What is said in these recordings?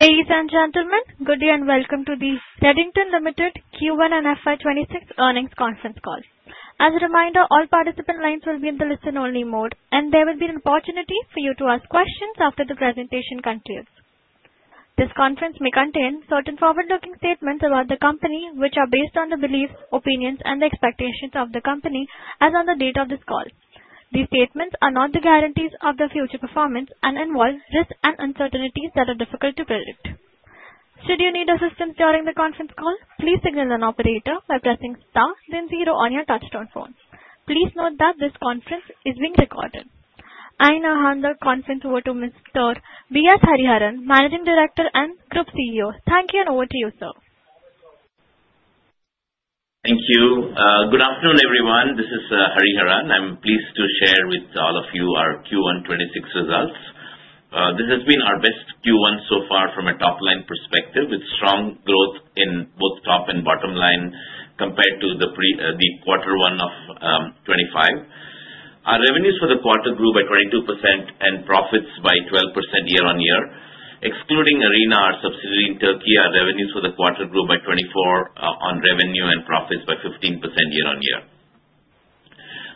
Ladies and gentlemen, good day and welcome to the Redington Limited Q1 and FY 2026 earnings conference call. As a reminder, all participant lines will be in the listen-only mode and there will be an opportunity for you to ask questions after the presentation concludes. This conference may contain certain forward-looking statements about the company which are based on the beliefs, opinions, and expectations of the company as on the date of this call. These statements are not the guarantees of their future performance and involve risks and uncertainties that are difficult to predict. Should you need assistance during the conference call, please signal an operator by pressing star then zero on your touchtone phone. Please note that this conference is being recorded. I now hand the conference over to Mr. V.S. Hariharan, Managing Director and Group CEO. Thank you. Over to you, sir. Thank you. Good afternoon everyone, this is Hariharan. I'm pleased to share with all of you our Q1 2026 results. This has been our best Q1 so far from a top line perspective with strong growth in both top and bottom line. Compared to the quarter 1 of 2025, our revenues for the quarter grew by 22% and profits by 12% year-on-year. Excluding Arena, our subsidiary in Turkey, our revenues for the quarter grew by 24% on revenue and profits by 15% year-on-year.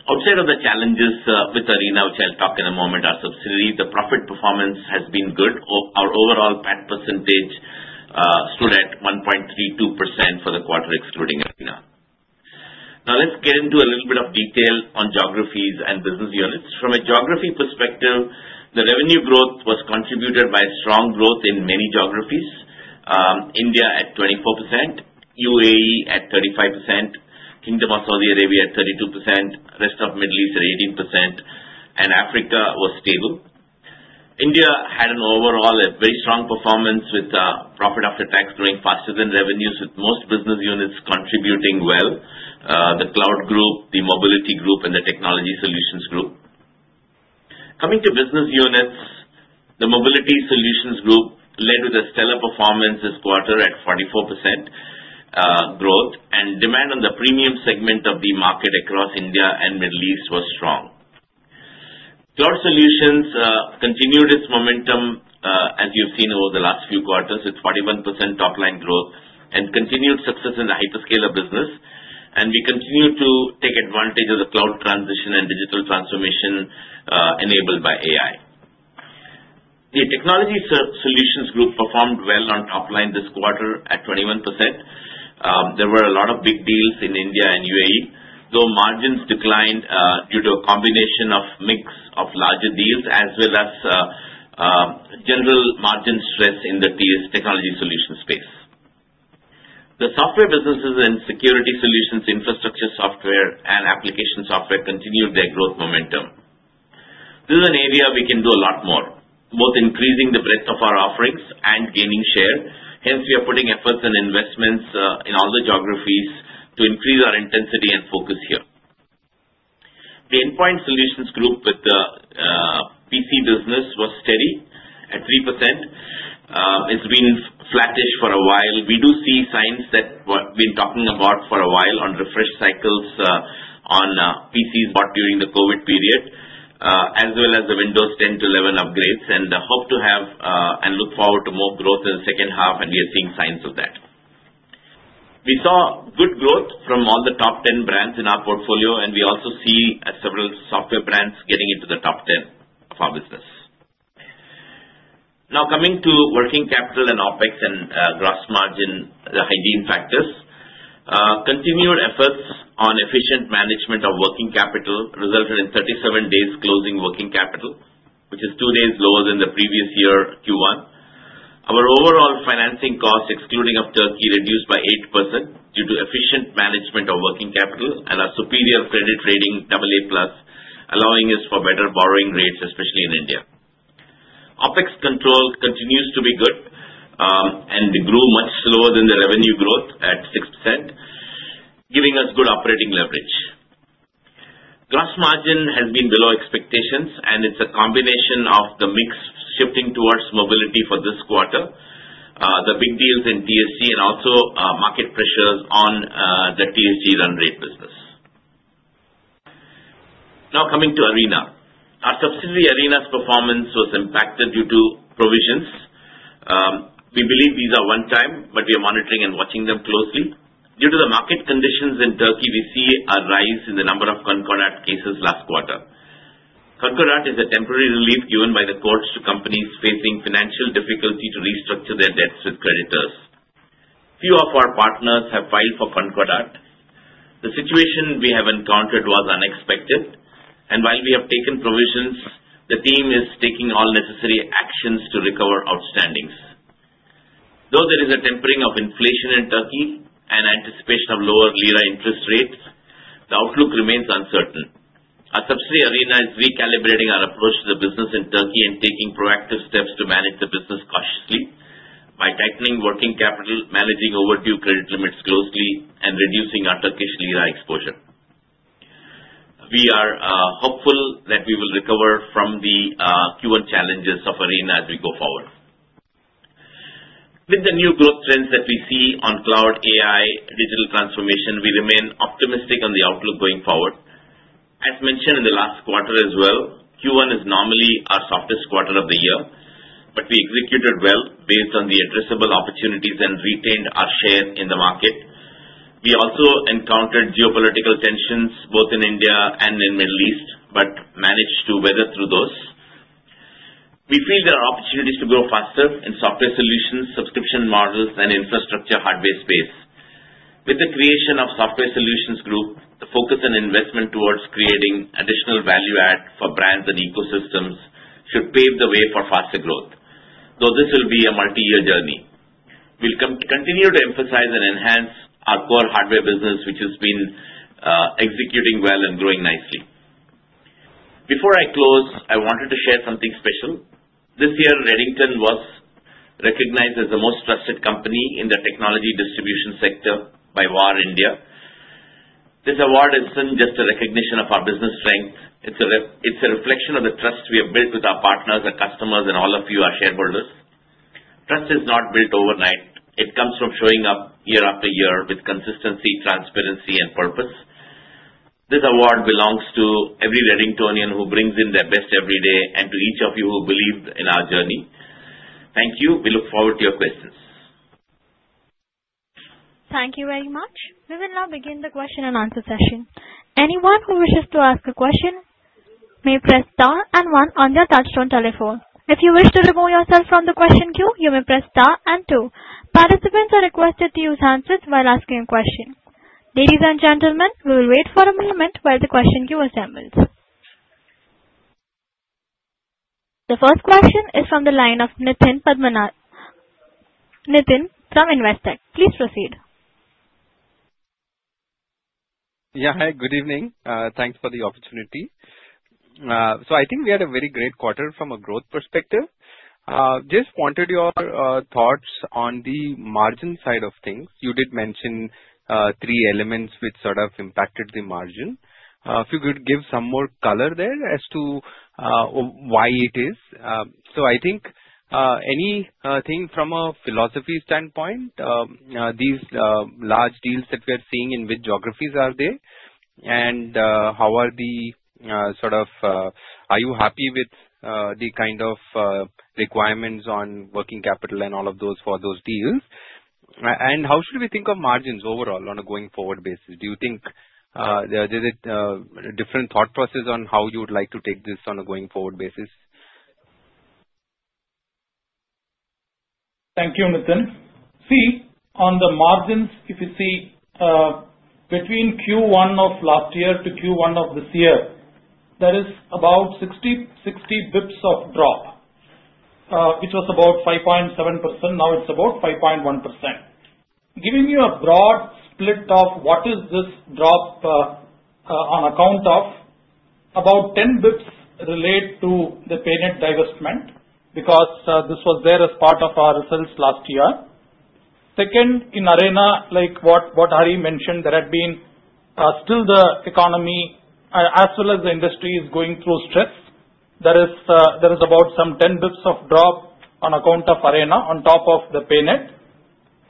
Outside of the challenges with Arena, which I'll talk in a moment, our subsidiary, the profit performance has been good. Overall PAT percentage stood at 1.32% for the quarter excluding Arena. Now let's get into a little bit of detail on geographies and business units from a geography perspective. The revenue growth was contributed by strong growth in many geographies. India at 24%, UAE at 35%, Kingdom of Saudi Arabia at 32%, rest of Middle East at 18% and Africa was stable. India had an overall very strong performance with profit after tax growing faster than revenues with most business units contributing well. The Cloud Group, the Mobility Group and the Technology Solutions Group coming to business units. The Mobility Solutions Group led with a stellar performance this quarter at 44%. Growth and demand on the premium segment of the market across India and Middle East was strong. Cloud Solutions continued its momentum as you've seen over the last few quarters with 41% top line growth and continued success in the hyperscaler business. We continue to take advantage of the cloud transition and digital transformation enabled by AI. The Technology Solutions Group performed well on top line this quarter at 21%. There were a lot of big deals in India and UAE though margins declined due to a combination of mix of larger deals as well as general margin stress in the Technology Solutions space. The software businesses and security solutions, infrastructure software and application software continued their growth momentum. This is an area we can do a lot more, both increasing the breadth of our offerings and gaining share. Hence we are putting efforts and investments in all the geographies to increase our intensity and focus here. The Endpoint Solutions Group with the PC business was steady at 3%. It's been flattish for a while. We do see signs that what we've been talking about for a while on refresh cycles on PCs bought during the COVID period as well as the Windows 10 to 11 upgrades and hope to have and look forward to more growth in the second half, and we are seeing signs of that. We saw good growth from all the top 10 brands in our portfolio, and we also see several software brands getting into the top 10 of our business. Now coming to working capital and OpEx and gross margin hygiene factors. Continued efforts on efficient management of working capital resulted in 37 days closing working capital, which is 2 days lower than the previous year. Q1 our overall financing cost, excluding Turkey, reduced by 8% due to efficient management of working capital and our superior credit rating AA allowing us for better borrowing rates, especially in India. OpEx control continues to be good and grew much slower than the revenue growth at 6%, giving us good operating leverage. Gross margin has been below expectations, and it's a combination of the mix shifting towards Mobility for this quarter, the big deals in TSG, and also market pressures on the TSG run rate business. Now coming to Arena, our subsidiary. Arena's performance was impacted due to provisions. We believe these are one-time, but we are monitoring and watching them closely. Due to the market conditions in Turkey, we see a rise in the number of Concordat cases last quarter. Concordat is a temporary relief given by the courts to companies facing financial difficulty to restructure their debts with creditors. Few of our partners have filed for Concordat. The situation we have encountered was unexpected, and while we have taken provisions, the team is taking all necessary actions to recover outstandings. Though there is a tempering of inflation in Turkey and anticipation of lower lira interest rates, the outlook remains uncertain. Our subsidiary Arena is recalibrating our approach to the business in Turkey and taking proactive steps to manage the business cautiously. By tightening working capital, managing overdue credit limits closely, and reducing our Turkish lira exposure, we are hopeful that we will recover from the Q1 challenges of Arena as we go forward. With the new growth trends that we see on Cloud AI-driven digital transformation, we remain optimistic on the outlook going forward as mentioned in the last quarter as well. Q1 is normally our softest quarter of the year, but we executed well based on the addressable opportunities and retained our share in the market. We also encountered geopolitical tensions both in India and in the Middle East, but managed to weather through those. We feel there are opportunities to grow faster in Software Solutions, subscription models, and Infrastructure Hardware space. With the creation of Software Solutions Group, the focus and investment towards creating additional value add of brands and ecosystems should pave the way for faster growth. Though this will be a multi-year journey, we'll continue to emphasize and enhance our core hardware business which has been executing well and growing nicely. Before I close, I wanted to share something special this year. Redington was recognized as the most trusted company in the technology distribution sector by VARINDIA. This award isn't just a recognition of our business strength, it's a reflection of the trust we have built with our partners, our customers, and all of you our shareholders. Trust is not built overnight. It comes from showing up year after year with consistency, transparency, and purpose. This award belongs to every Redingtonian who brings in their best every day and to each of you who believe in our journey. Thank you. We look forward to your questions. Thank you very much. We will now begin the question and answer session. Anyone who wishes to ask a question may press star and one on their touchstone telephone. If you wish to remove yourself from the question queue, you may press star and two. Participants are requested to use answers while asking a question. Ladies and gentlemen, we will wait for a moment while the question queue assembles. The first question is from the line of Nitin from Investec. Please proceed. Yeah, hi, good evening. Thanks for the opportunity. I think we had a very great quarter from a growth perspective. Just wanted your thoughts on the margin side of things. You did mention three elements which sort of impacted the margin. If you could give some more color there as to why it is, I think anything from a philosophy standpoint, these large deals that we are seeing, in which geographies are they, and how are the sort of, are you happy with the kind of requirements on working capital and all of those for those deals, and how should we think of margins overall on a going forward basis? Do you think different thought process on how you would like to take this on a going forward basis? Thank you, Nitin. See, on the margins, if you see between Q1 of last year to Q1 of this year, there is about 60 basis points of drop, which was about 5.7%. Now it's about 5.1%, giving you a broad split of what is this drop on account of. About 10 basis points relate to the PayNet divestment because this was there as part of our results last year. Second, in Arena, like what Hari mentioned, there had been still the economy as well as the industry is going through stress. There is about some 10 basis points of drop on account of Arena on top of the PayNet.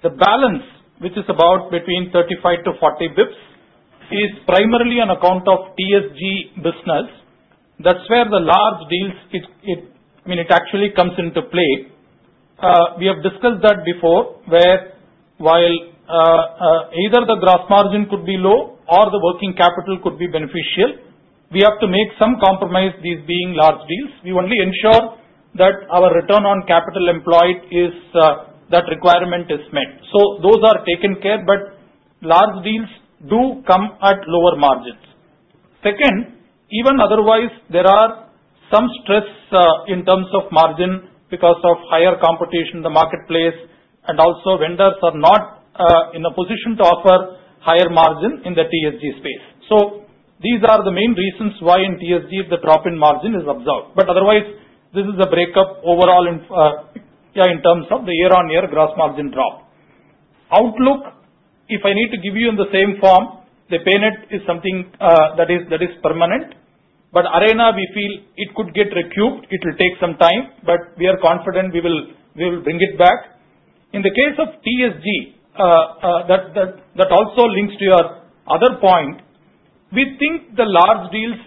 The balance, which is about between 35 basis points-40 basis points, is primarily on account of TSG business. That's where the large deals, it actually comes into play. We have discussed that before, where while either the gross margin could be low or the working capital could be beneficial, we have to make some compromise. These being large deals, we only ensure that our return on capital employed is that requirement is met. Those are taken care. Large deals do come at lower margins. Even otherwise, there are some stress in terms of margin because of higher competition in the marketplace, and also vendors are not in a position to offer higher margin in the TSG space. These are the main reasons why in TSG, if the drop in margin is observed, but otherwise this is a breakup overall in terms of the year-on-year gross margin drop outlook. If I need to give you in the same form, the PayNet is something that is permanent, but Arena, we feel it could get recouped. It will take some time, but we are confident we will bring it back. In the case of TSG, that also links to your other point. We think the large deals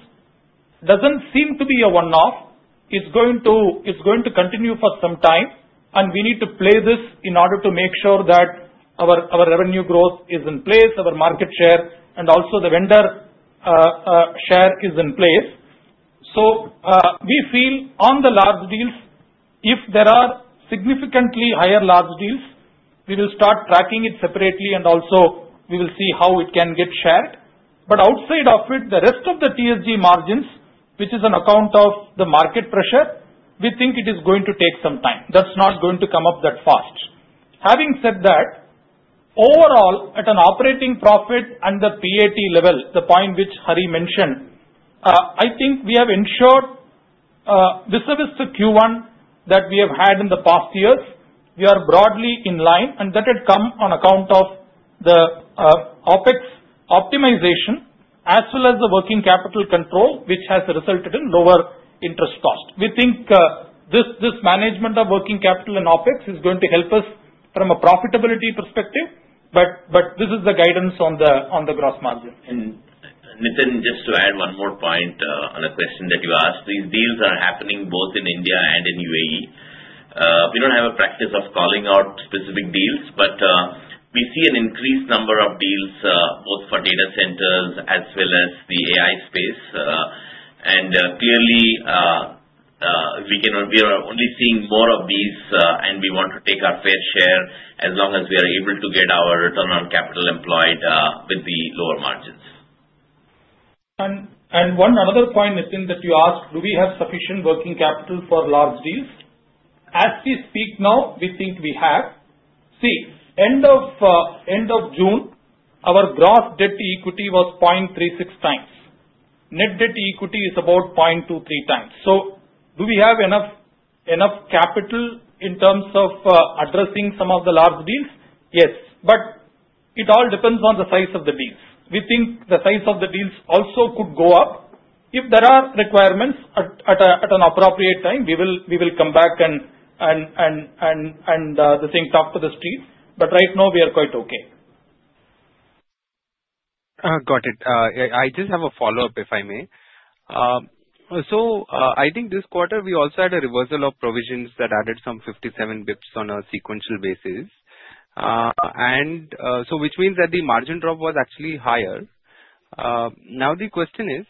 doesn't seem to be a one-off. It's going to continue for some time, and we need to play this in order to make sure that our revenue growth is in place, our market share, and also the vendor share is in place. We feel on the large deals, if there are significantly higher large deals, we will start tracking it separately, and also we will see how it can get shared. Outside of it, the rest of the TSG margins, which is on account of the market pressure, we think it is going to take some time. That's not going to come up that fast. Having said that, overall at an operating profit and the PAT level, the point which Hari mentioned, I think we have ensured visible Q1 that we have had in the past years. We are broadly in line, and that had come on account of the OpEx optimization as well as the working capital control, which has resulted in lower interest cost. We think this management of working capital and OpEx is going to help us from a profitability perspective. This is the guidance on the gross margin. Nitin, just to add one more point on a question that you asked. These deals are happening both in India and in UAE. We don't have a practice of calling out specific deals, but we see an increased number of deals both for data centers as well as the AI space. We are only seeing more of these, and we want to take our fair share as long as we are able to get our return on capital employed with the lower margins. One another point, Nitin, that you asked, do we have sufficient working capital for large deals as we speak now? We think we have. At the end of June, our gross debt to equity was 0.36x. Net debt to equity is about 0.23x. Do we have enough capital in terms of addressing some of the large deals? Yes, it all depends on the size of the deals. We think the size of the deals also could go up if there are requirements at an appropriate time. We will come back and talk to the street, but right now we are quite okay. Got it. I just have a follow-up if I may. I think this quarter we also had a reversal of provisions that added some 57 basis points on a sequential basis, which means that the margin drop was actually higher. The question is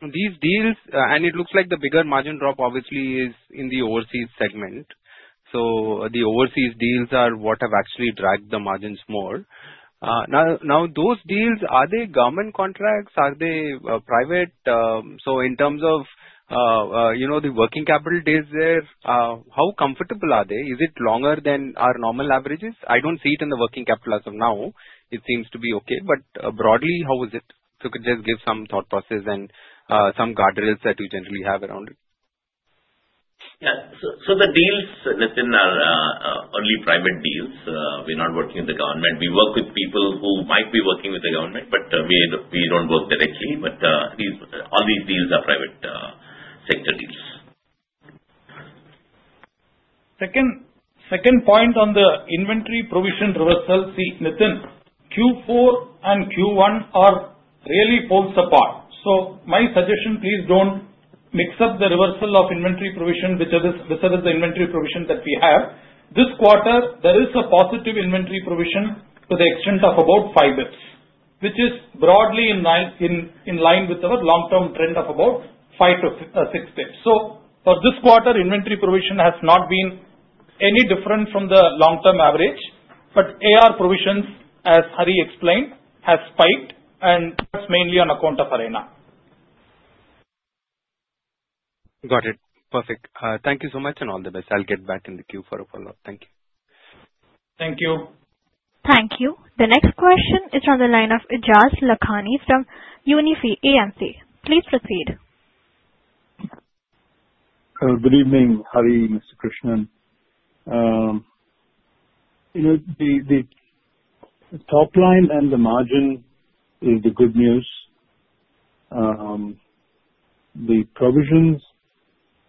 that these deals, and it looks like the bigger margin drop obviously is in the overseas segment. The overseas deals are what have actually dragged the margins more. Now those deals, are they government contracts? Are they private? In terms of the working capital deals there, how comfortable are they? Is it longer than our normal averages? I don't see it in the working capital. As of now it seems to be okay. Broadly, how is it? Could you just give some thought process and some guardrails that you generally have around it. The deals, Nitin, are only private deals. We're not working with the government. We work with people who might be working with the government, but we don't work directly. All these deals are private sector deals. Second point on the inventory provision reversal. See Nitin, Q4 and Q1 are really poles apart. My suggestion, please don't mix up the reversal of inventory provision, which is the inventory provision that we have this quarter. There is a positive inventory provision to the extent of about 5 basis points, which is broadly in line with our long-term trend of about 5 basis points to 6 basis points. For this quarter, inventory provision has not been any different from the long-term average. AR provisions, as Hari explained, have spiked and that's mainly on account of Arena. Got it. Perfect. Thank you so much and all the best. I'll get back in the queue for a follow up. Thank you. Thank you. The next question is from the line of Aejas Lakhani from Unifi AMC. Please proceed. Good evening, Hari. Mr. Krishnan, you know the top line and the margin is the good news. The provisions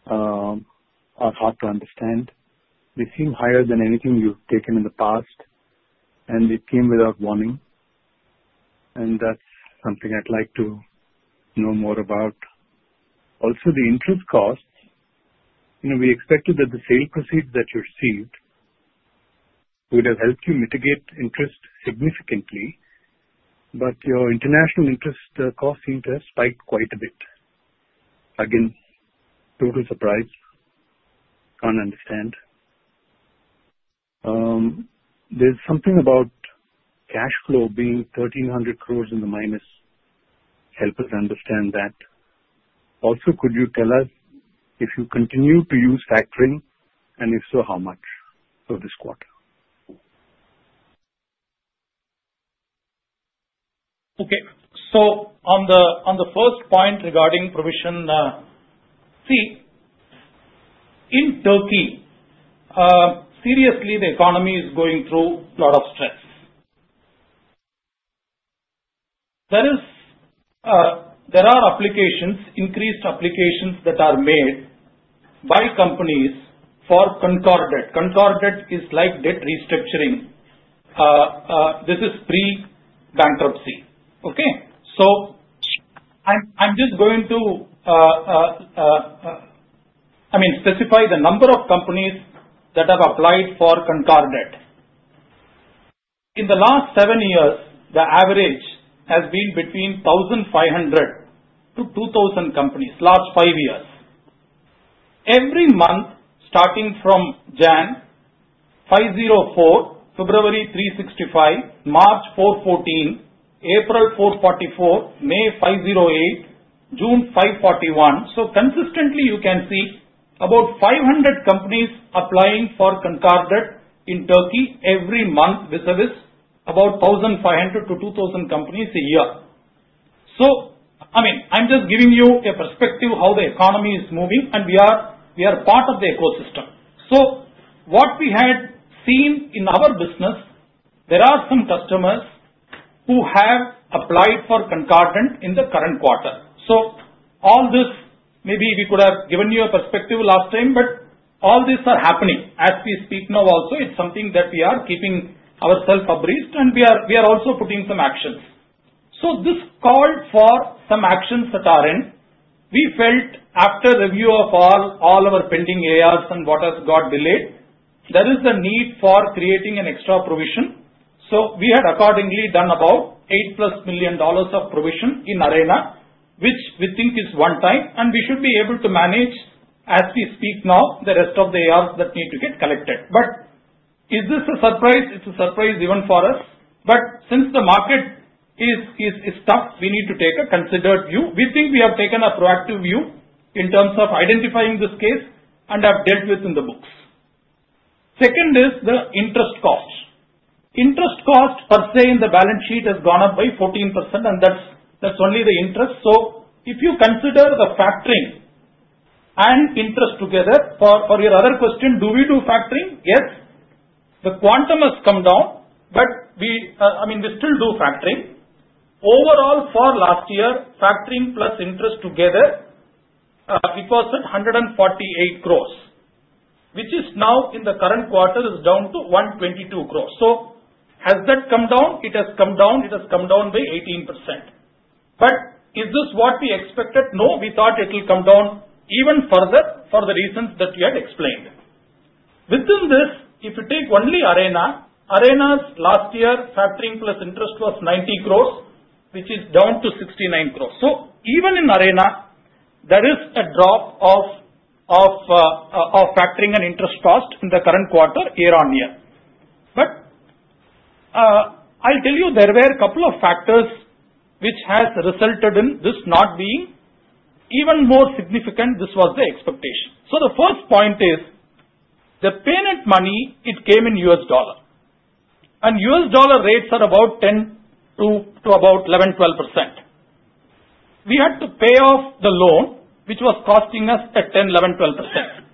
are hard to understand. They seem higher than anything you've taken in the past, and they came without warning. That's something I'd like to know more about. Also, the interest costs. We expected that the sale proceeds that you received would have helped you mitigate interest significantly. Your international interest cost seem to have spiked quite a bit. Again, total surprise. Can't understand. There's something about cash flow being 1,300 crores in the minus. Help us understand that. Also, could you tell us if you continue to use factoring, and if so, how much for this quarter? Okay, on the first point regarding provision, see in Turkey, seriously the economy is going through a lot of stress. There are increased applications that are made by companies for Concordat. Concordat is like debt restructuring. This is pre-bankruptcy. I'm just going to specify the number of companies that have applied for Concordat in the last seven years. The average has been between 1,500-2,000 companies. Last five years, every month starting from January 504, February 365, March 414, April 444, May 508, June 541. Consistently, you can see about 500 companies applying for Concordat in Turkey every month, vis-à-vis about 1,500-2,000 companies a year. I'm just giving you a perspective on how the economy is moving and we are part of the ecosystem. What we had seen in our business, there are some customers who have applied for Concordat in the current quarter. Maybe we could have given you a perspective last time, but all these are happening as we speak now. Also, it's something that we are keeping ourselves abreast of and we are also putting some actions. This called for some actions at our end. We felt after review of all our pending ARs and what has got delayed, there is a need for creating an extra provision. We had accordingly done about $8+ million of provision in Arena, which we think is one time and we should be able to manage as we speak now the rest of the ARs that need to get collected. Is this a surprise? It's a surprise even for us. Since the market is tough, we need to take a considered view. We think we have taken a proactive view in terms of identifying this case and have dealt with it in the books. Second is the interest cost. Interest cost per se in the balance sheet has gone up by 14% and that is only the interest. If you consider the factoring and interest together, for your other question, do we do factoring? Yes, the quantum has come down but we still do factoring. Overall, for last year, factoring plus interest together was 148 crores, which is now in the current quarter down to 122 crores. Has that come down? It has come down. It has come down by 18%. Is this what we expected? No, we thought it would come down even further for the reasons that we had explained within this. If you take only Arena, Arena's last year factoring plus interest was 90 crores, which is down to 69 crores. Even in Arena there is a drop of factoring and interest cost in the current quarter year-on-year. There were a couple of factors which has resulted in this not being even more significant. This was the expectation. The first point is the PayNet money, it came in U.S. dollar and U.S. dollar rates are about 10% to about 11%-12%. We had to pay off the loan which was costing us at 10%-11%-12%.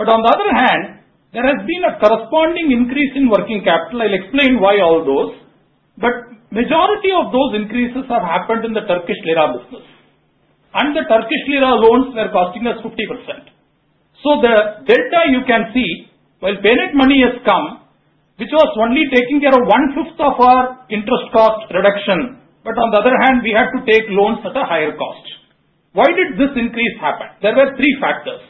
On the other hand, there has been a corresponding increase in working capital. I'll explain why all those, but majority of those increases have happened in the Turkish lira business and the Turkish lira loans were costing us 50%. The delta you can see, while PayNet money has come which was only taking care of 1/5 of our interest cost reduction, on the other hand we had to take loans at a higher cost. Why did this increase happen? There were three factors.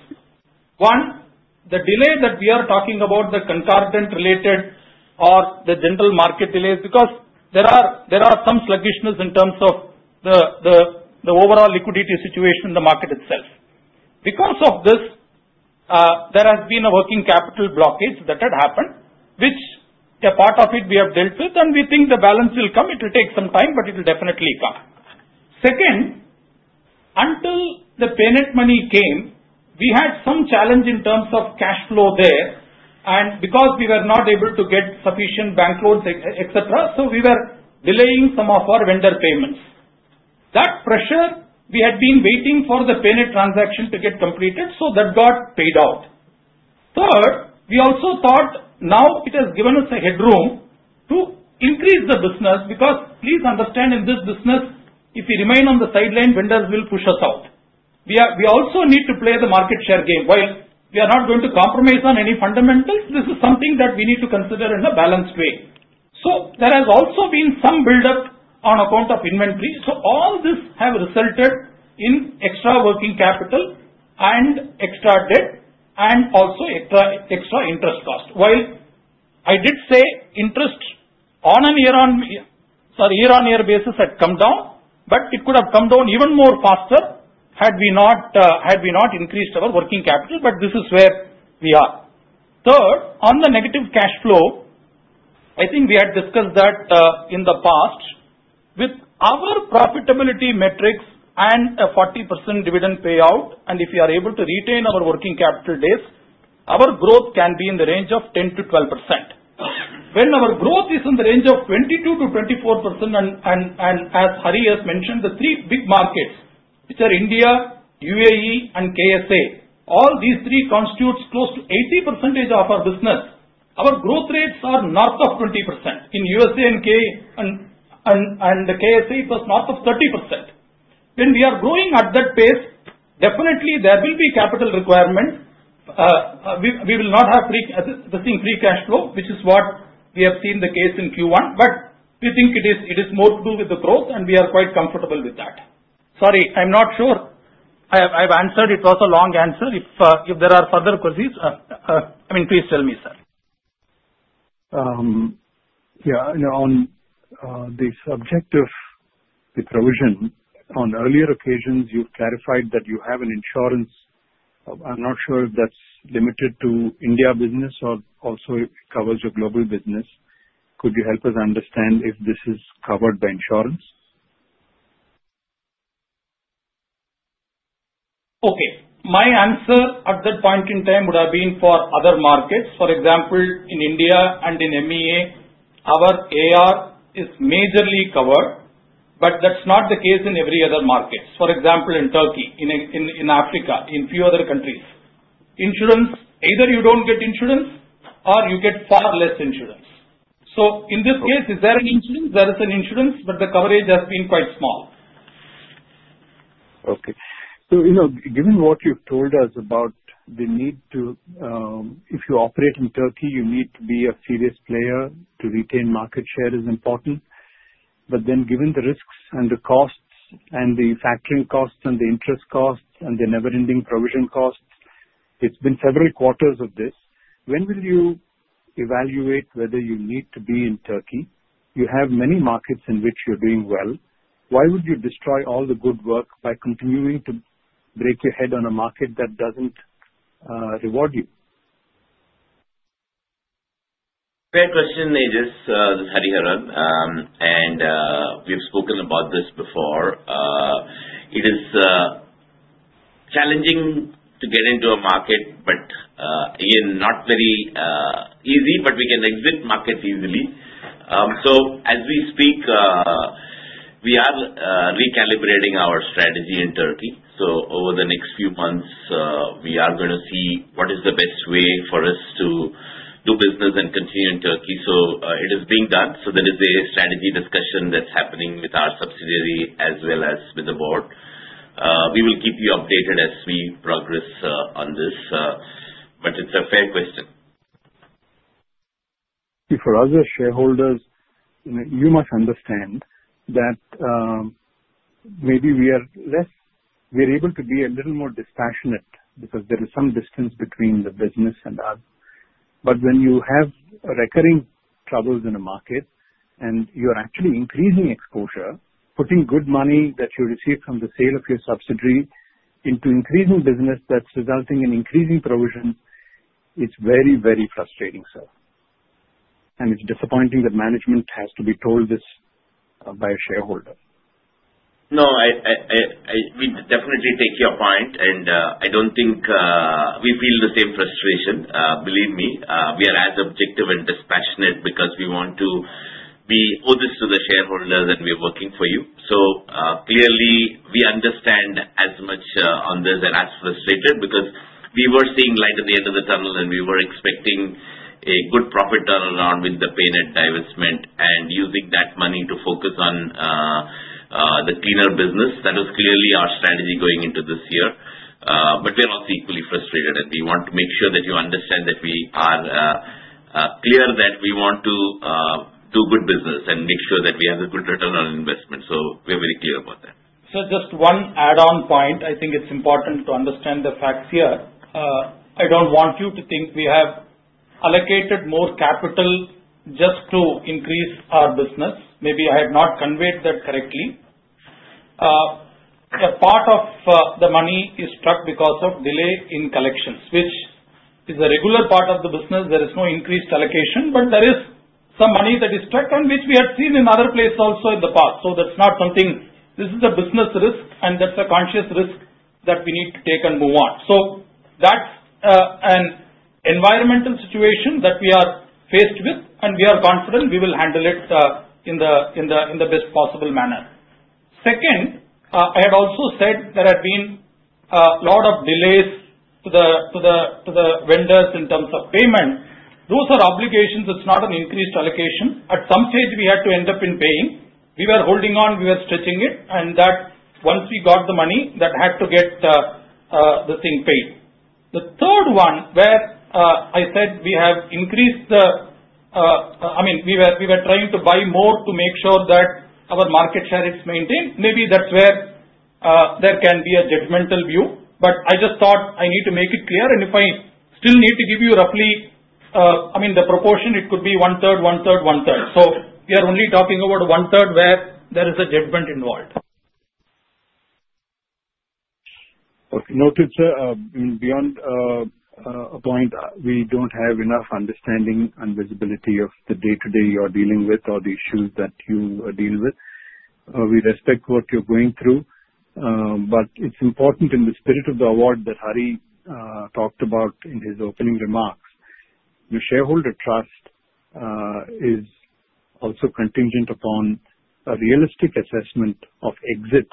One, the delay that we are talking about, the Concordat related or the general market delays, because there is some sluggishness in terms of the overall liquidity situation in the market itself. Because of this, there has been a working capital blockage that had happened, which a part of it we have dealt with and we think the balance will come. It will take some time, but it will definitely come. Second, until the PayNet money came, we had some challenge in terms of cash flow there and because we were not able to get sufficient bank loans, etc. We were delaying some of our vendor payments. That pressure, we had been waiting for the payment transaction to get completed, so that got paid out. Third, we also thought now it has given us a headroom to increase the business. Please understand in this business if we remain on the sideline, vendors will push us out. We also need to play the market share game. While we are not going to compromise on any fundamentals, this is something that we need to consider in a balanced way. There has also been some buildup on account of inventory. All this has resulted in extra working capital and extra debt and also extra interest cost. While I did say interest on a year-on-year basis had come down, it could have come down even more faster had we not increased our working capital. This is where we are third on the negative cash flow. I think we had discussed that in the past with our profitability metrics and a 40% dividend payout. If you are able to retain our working capital days, our growth can be in the range of 10%-12% when our growth is in the range of 22%-24%. As Hari has mentioned, the three big markets which are India, UAE, and KSA, all these three constitute close to 80% of our business. Our growth rates are north of 20%. In UAE and KSA it was north of 30%. When we are growing at that pace, definitely there will be capital requirement. We will not have seen free cash flow, which is what we have seen the case in Q1. We think it is more to do with the growth and we are quite comfortable with that. Sorry, I'm not sure I've answered. It was a long answer. If there are further queries, please tell me. Sir. Yeah. On the subject of the provision, on earlier occasions you've clarified that you have an insurance. I'm not sure if that's limited to India business or also covers your global business. Could you help us understand if this is covered by insurance? Okay. My answer at that point in time would have been for other markets. For example, in India and in MEA our AR is majorly covered. That's not the case in every other market. For example, in Turkey, in Africa, in a few other countries, insurance either you don't get insurance or you get far less insurance. In this case, is there an insurance? There is an insurance, but the coverage has been quite small. Okay. Given what you've told us about the need to, if you operate in Turkey, you need to be a serious player. To retain market share is important, given the risks and the costs and the factoring costs and the interest costs and the never ending provision costs, it's been several quarters of this. When will you evaluate whether you need to be in Turkey? You have many markets in which you're doing well. Why would you destroy all the good work by continuing to break your head on a market that doesn't reward you? Fair question. We've spoken about this before. It's challenging to get into a market, but not very easy. We can exit a market easily. As we speak, we are recalibrating our strategy in Turkey. Over the next few months, we are going to see what is the best way for us to do business and continue in Turkey. It is being done. There is a strategy discussion that is happening with our subsidiary as well as with the board. We will keep you updated as we progress on this. It's a fair question. For other shareholders, you must understand that maybe we are less. We are able to be a little more dispassionate because there is some distance between the business and us. When you have recurring troubles in the market and you're actually increasing exposure, putting good money that you receive from the sale of your subsidiary into increasing business, that's resulting in increasing provisions, it's very, very frustrating, sir. It's disappointing that management has to be told this by a shareholder. No, we definitely take your point and I don't think we feel the same frustration. Believe me, we are as objective and dispassionate because we owe this to the shareholders and we are working for you. We understand as much on this and are as frustrated because we were seeing light at the end of the tunnel and we were expecting a good profit turnaround with the PayNet divestment and using that money to focus on the cleaner business. That was clearly our strategy going into this year. We are also equally frustrated and we want to make sure that you understand that we are clear that we want to do good business and make sure that we have a good return on investment. We are very clear about that. Just one add-on point, I think it is important to understand the facts here. I don't want you to think we have allocated more capital just to increase our business. Maybe I have not conveyed that correctly. A part of the money is stuck because of delay in collections, which is a regular part of the business. There is no increased allocation, but there is some money that is stuck and which we had seen in other places also in the past. That is not something unusual. This is a business risk and that is a conscious risk that we need to take and move on. That is an environmental situation that we are faced with and we are confident we will handle it in the best possible manner. Second, I had also said there had been a lot of delays to the vendors in terms of payment. Those are obligations. It's not an increased allocation. At some stage we had to end up paying. We were holding on, we were stretching it and once we got the money that had to get the thing paid. The third one where I said we have increased the, I mean we were trying to buy more to make sure that our market share is maintained. Maybe that's where there can be a judgmental view. I just thought I need to make it clear and if I still need to give you roughly, I mean the proportion, it could be 1/3, 1/3, 1/3. We are only talking about 1/3 where there is a judgment involved. Noted sir. Beyond. We don't have enough understanding and visibility of the day to day you're dealing with or the issues that you deal with. We respect what you're going through, but it's important in the spirit of the award that Hari talked about in his opening remarks. The shareholder trust is also contingent upon a realistic assessment of exit,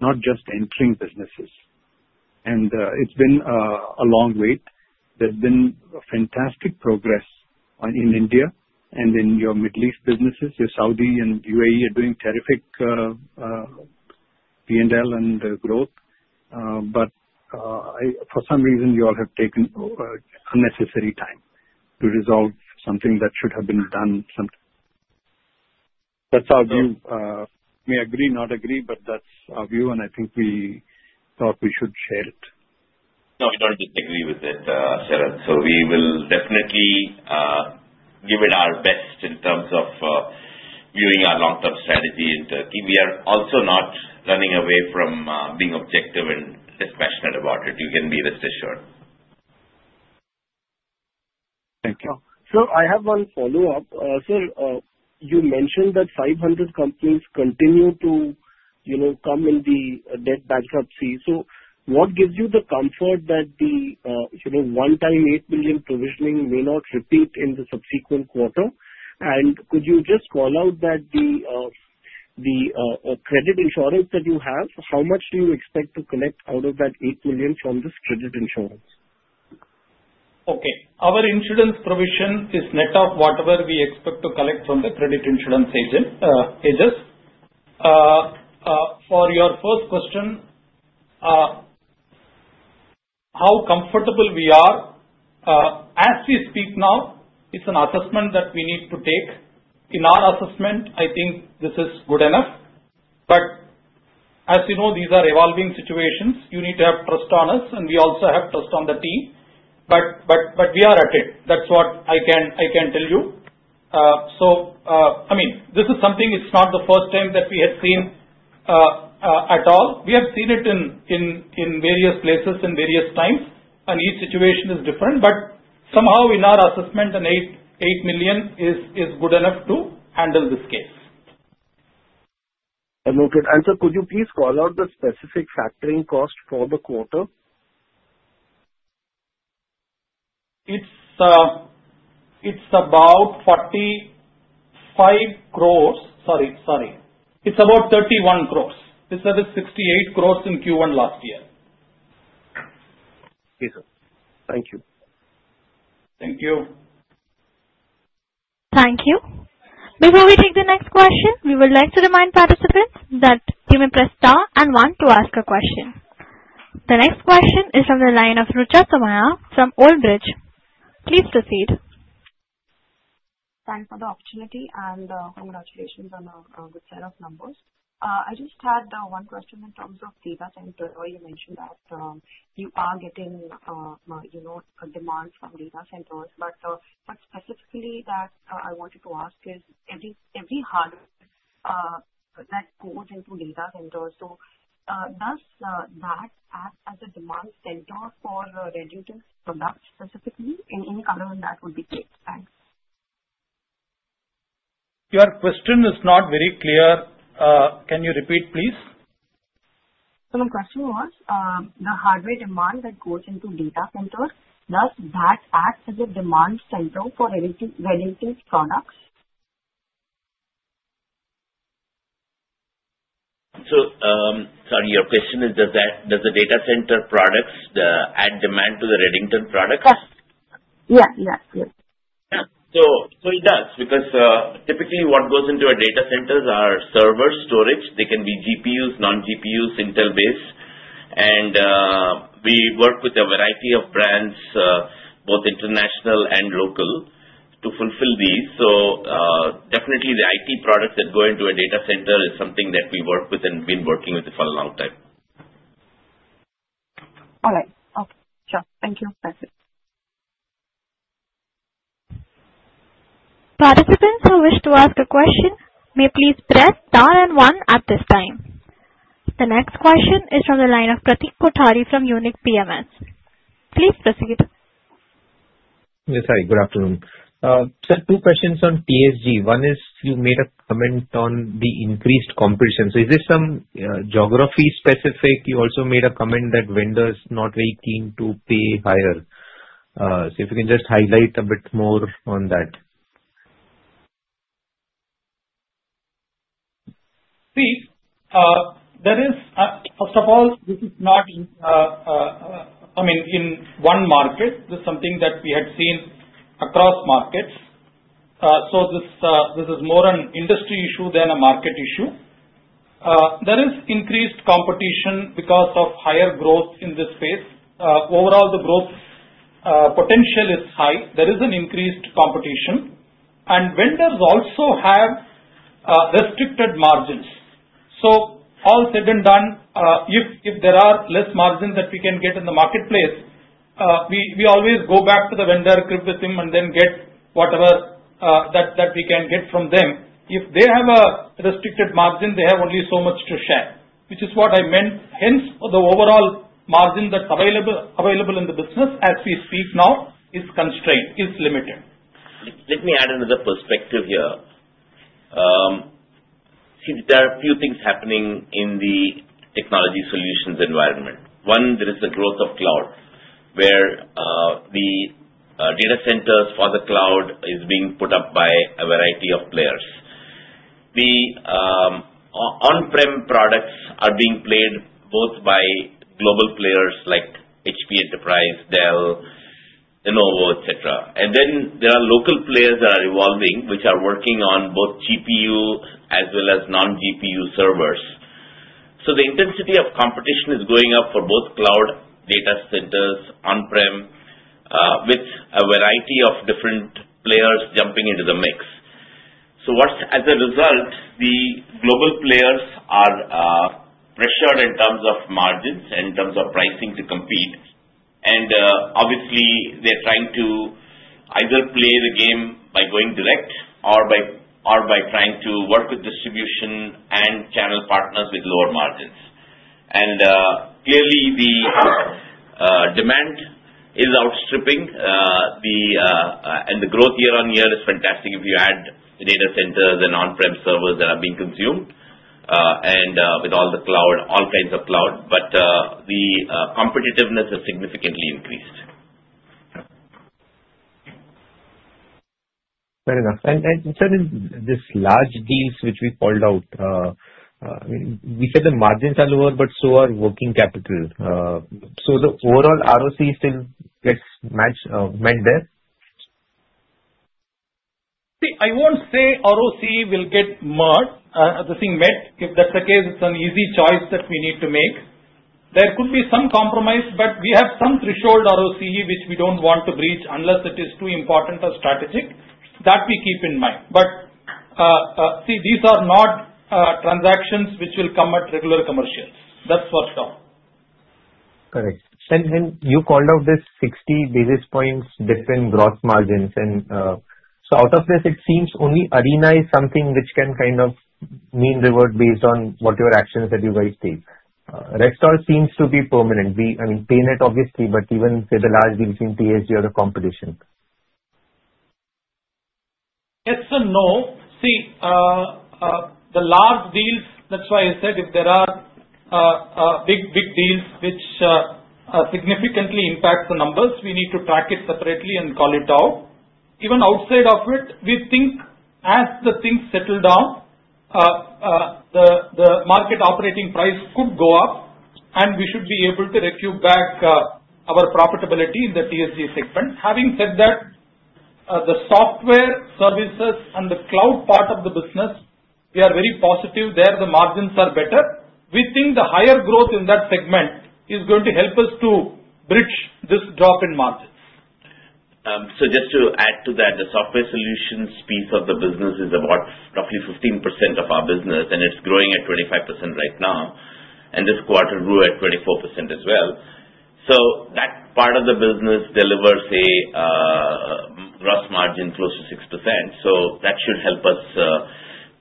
not just entering businesses. It's been a long wait. There's been fantastic progress in India and in your Middle East businesses. Your Saudi and UAE are doing terrific P&L and growth. For some reason, you all have taken unnecessary time to resolve something that should have been done. That's our view. May agree, not agree, but that's our view and I think we thought we should share it. No, we don't disagree with it, Sarath. We will definitely give it our best in terms of viewing our long-term strategy in Turkey. We are also not running away from being objective and dispassionate about it. You can be rest assured. Thank you. I have one follow-up. Sir, you mentioned that 500 companies continue to come in the debt, bankruptcy. What gives you the comfort that the one-time $8 million provisioning may not repeat in the subsequent quarter? Could you just call out that the credit insurance that you have, how much do you expect to collect out of that $8 million from this credit insurance? Okay. Our insurance provision is net of whatever we expect to collect from the credit insurance agent. Hedges, for your first question, how comfortable we are as we speak now. It's an assessment that we need to take in our assessment, I think this is good enough. As you know, these are evolving situations. You need to have trust on us and we also have trust on the team. We are at it. That's what I can tell you. This is something it's not the first time that we have seen at all. We have seen it in various places in various times and each situation is different. In our assessment, an $8 million is good enough to handle this case. Could you please call out the specific factoring cost for the quarter? It's about 45 crores. Sorry, sorry. It's about 31 crores. This is 68 crores in Q1 last year. Thank you. Thank you. Thank you. Before we take the next question, we would like to remind participants that you may press Star and 1 to ask a question. The next question is from the line of Rucha Somaiya from Old Bridge. Please proceed. Thanks for the opportunity and congratulations on a good set of numbers. I just had one question. In terms of data center, you mentioned that you are getting demand from data centers. Specifically, I wanted to ask, is every hardware that goes into data centers, does that act as a demand center for Redington products? Any color on that would be great. Thanks. Your question is not very clear. Can you repeat, please? My question was the hardware demand that goes into data center, does that act as a demand center for relative products? Sorry, your question is does the data center products add demand to the Redington products? Yeah, yeah. It does. Typically, what goes into a data center are server storage, they can be GPUs, non-GPUs, Intel-based. We work with a variety of brands, both international and local, to fulfill these. Definitely, the IT products that go into a data center are something that we work with and have been working with for a long time. All right, sure. Thank you. Participants who wish to ask a question may please press star 1 at this time. The next question is from the line of Pratik Kothari from Unique PMS. Please proceed. Yes. Hi, good afternoon, sir. Two questions on PSG. One is you made a comment on the increased competition. Is this some geography specific? You also made a comment that vendors. Not very keen to pay higher. If you can just highlight a bit more on that. Please. First of all, this is not, I mean, in one market. This is something that we had seen across markets. This is more an industry issue than a market issue. There is increased competition because of higher growth in this space. Overall, the growth potential is high, there is increased competition, and vendors also have restricted margins. All said and done, if there are less margins that we can get in the marketplace, we always go back to the vendor and then get whatever that we can get from them. If they have a restricted margin, they have only so much to share, which is what I meant. Hence, the overall margin that's available in the business as we speak now is constrained, is limited. Let me add another perspective here. See, there are a few things happening in the technology solutions environment. One, there is the growth of cloud where the data centers for the cloud are being put up by a variety of players. The on-prem products are being played both by global players like HP Enterprise, Dell, Lenovo, etc. There are local players that are evolving, which are working on both GPU as well as non-GPU servers. The intensity of competition is going up for both cloud data centers and on-prem with a variety of different players jumping into the mix. As a result, the global players are pressured in terms of margins, in terms of pricing to compete. Obviously, they're trying to either play the game by going direct or by trying to work with distribution and channel partners with lower margins. Clearly, the demand is outstripping and the growth year-on-year is fantastic. If you add data centers and on-premises servers that are being consumed and with all the cloud, all kinds of cloud, the competitiveness has significantly increased. Fair enough. In these large deals which we called out, we said the margins are lower, but so are working capital. The overall ROC still gets meant there. See, I won't say ROCE will get merged, this thing met. If that's the case, it's an easy choice that we need to make. There could be some compromise, but we have some threshold ROCE which we don't want to breach unless it is too important or strategic that we keep in mind. These are not transactions which will come at regular commercials. That's first off. Correct. You called out this 60 basis points different gross margins. Out of this, it seems only Arena is something which can kind of mean reward based on whatever actions that you guys take. The rest all seems to be permanent. I mean PayNet obviously, but even say the large deals in TSG or the competition. Yes and no. See, the large deals, that's why I said if there are big, big deals which significantly impact the numbers, we need to track it separately and call it out. Even outside of it, we think as things settle down, the market operating price could go up, and we should be able to recoup back our profitability in the TSG segment. Having said that, the software services and the cloud part of the business, we are very positive there, the margins are better. We think the higher growth in that segment is going to help us to bridge this drop in margins. The Software Solutions piece of the business is about roughly 15% of our business, and it's growing at 25% right now. This quarter grew at 24% as well. That part of the business delivers a gross margin close to 6%, which should help us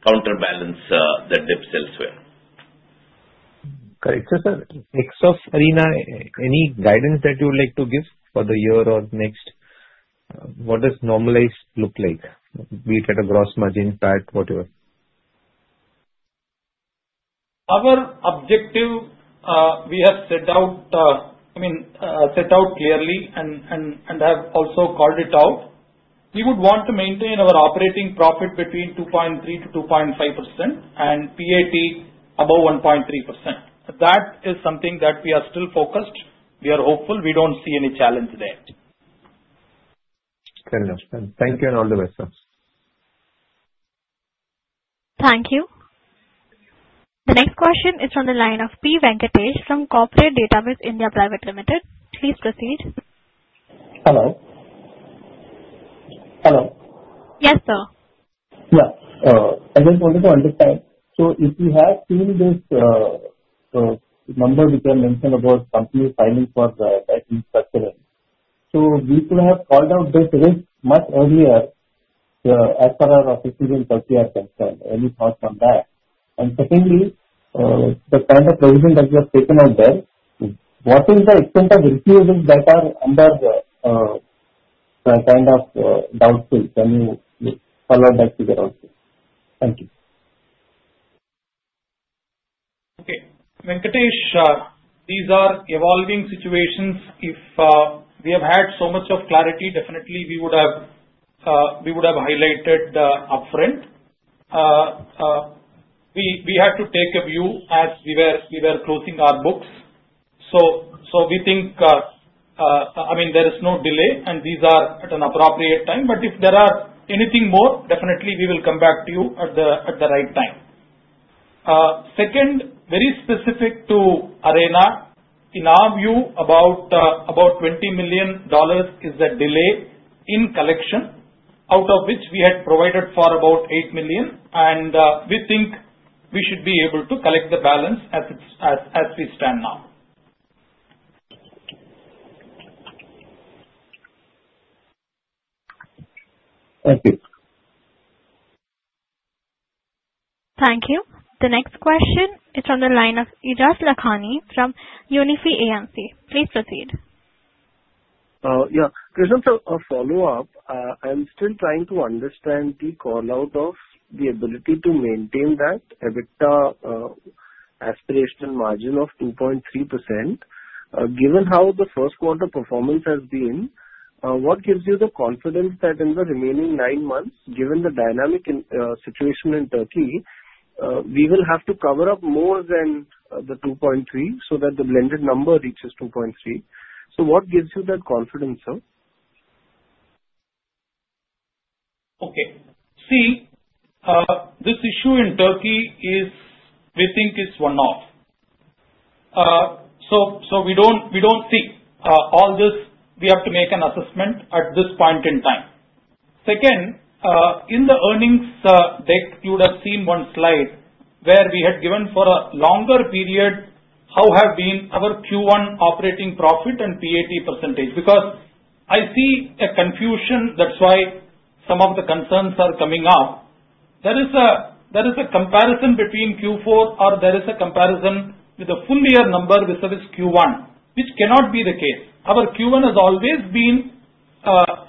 counterbalance the dips elsewhere. Next, off Arena, any guidance that you would like to give for the year. Next, what does normalize look like? Be it at a gross margin, PAT, whatever. Our objective we have set out, I mean set out clearly and have also called it out, we would want to maintain our operating profit between 2.3%-2.5% and PAT above 1.3%. That is something that we are still focused. We are hopeful. We don't see any challenge there. Thank you and all the best, sir. Thank you. The next question is from the line of P Venkatesh from Corporate Database India Private Limited. Please proceed. Hello? Hello. Yes, sir. Yeah, I just wanted to understand. If you have seen this number, we can mention about company filing for the. Could we have called out this risk much earlier as far as offices in Turkey are concerned? Any thoughts on that? The kind of provision that you have taken out there, what is the extent of refusals that are under kind of doubtful? Can you follow that figure also? Thank you. Okay. Venkatesh, these are evolving situations. If we had so much clarity, definitely we would have highlighted upfront. We had to take a view as we were closing our books. We think there is no delay and these are at an appropriate time. If there is anything more, definitely we will come back to you at the right time. Second, very specific to Arena, in our view about $20 million is the delay in collection, out of which we had provided for about $8 million. We think we should be able to collect the balance as we stand now. Thank you. The next question is from the line of Aejas Lakhani from Unifi AMC. Please proceed. Yeah, Krishnan, a follow up. I'm still trying to understand the call out of the ability to maintain that EBITDA aspirational margin of 2.3%. Given how the first quarter performance has been, what gives you the confidence that in the remaining nine months, given the dynamic situation in Turkey, we will have to cover up more than the 2.3% so that the blended number reaches 2.3%. What gives you that confidence, sir? Okay, see this issue in Turkey is we think it's one off. We don't see all this. We have to make an assessment at this point in time. Second, in the earnings deck, you would have seen one slide where we had given for a longer period how have been our Q1 operating profit and PAT percentage. I see a confusion. That's why some of the concerns are coming up. There is a comparison between Q4 or there is a comparison with a full year number versus Q1, which cannot be the case. Our Q1 has always been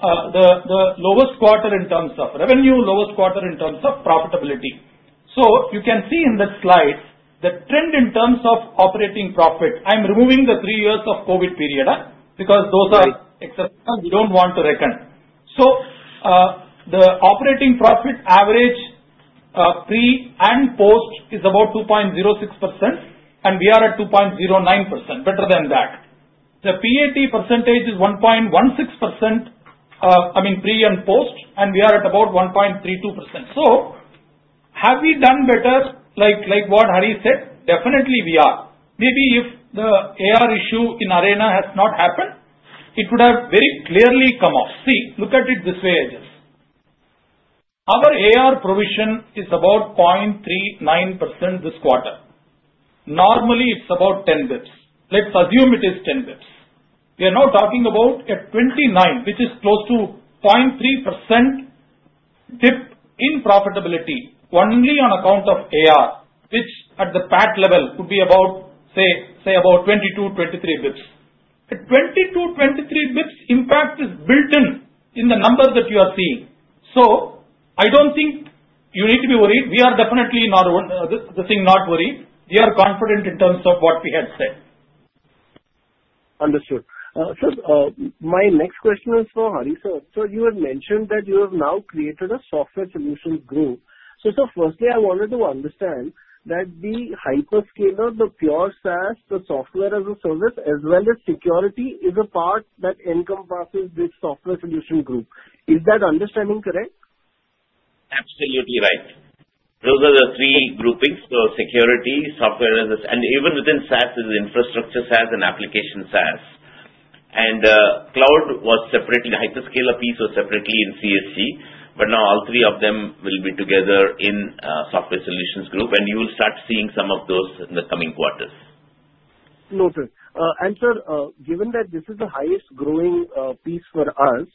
the lowest quarter in terms of revenue, lowest quarter in terms of profitability. You can see in the slide the trend in terms of operating profit. I am removing the three years of COVID period because those are, we don't want to reckon. The operating profit average pre and post is about 2.06% and we are at 2.09%. Better than that, the PAT percentage is 1.16%, I mean pre and post, and we are at about 1.32%. Have we done better like what Hari said? Definitely we are. Maybe if the AR issue in Arena has not happened, it would have very clearly come off. Look at it this way. Our AR provision is about 0.39% this quarter. Normally it's about 10 basis points. Let's assume it is 10 basis points. We are now talking about a 29, which is close to 0.3% dip in profitability only on account of AR, which at the PAT level could be about, say, about 22 basis points-23 basis points. 22 basis points-23 basis points impact is built in in the number that you are seeing. I don't think you need to be worried. We are definitely not worrying. We are confident in terms of what we have said. Understood, sir. My next question is for Hari. Sir, you had mentioned that you have now created a Software Solutions Group. Firstly, I wanted to understand that the HyperScaler, the pure SaaS, the software as a service as well as security is a part that encompasses this Software Solutions Group. Is that understanding correct? Absolutely right. Those are the three groupings. Security, software, and even within SaaS, infrastructure SaaS and application SaaS, and cloud was separately. Hyperscaler piece was separately in CSG. Now all three of them will be together in Software Solutions Group, and you will start seeing some of those in the coming quarters. Noted. Sir, given that this is the highest growing piece for us,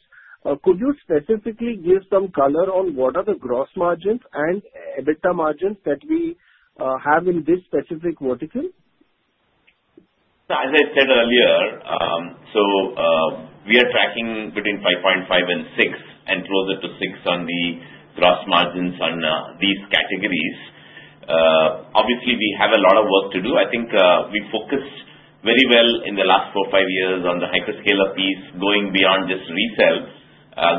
could you specifically give some color on what are the gross margins and EBITDA margins that we have in this specific vertical? As I said earlier, we are tracking between 5.5% and 6% and closer to 6% on the gross margins. On these categories, obviously we have a lot of work to do. I think we focused very well in the last four, five years on the hyperscaler piece, going beyond just resale,